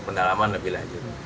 pendalaman lebih lanjut